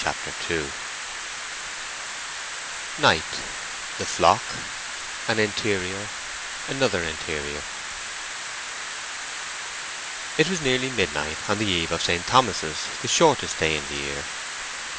CHAPTER II NIGHT—THE FLOCK—AN INTERIOR—ANOTHER INTERIOR It was nearly midnight on the eve of St. Thomas's, the shortest day in the year.